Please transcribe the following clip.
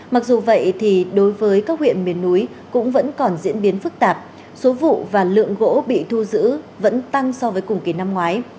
mặc dù vậy thì đối với các huyện miền núi cũng vẫn còn diễn biến phức tạp số vụ và lượng gỗ bị thu giữ vẫn tăng so với cùng kỳ năm ngoái